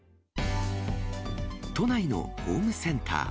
都内のホームセンター。